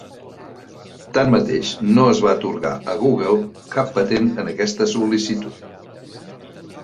Tanmateix, no es va atorgar a Google cap patent en aquesta sol·licitud.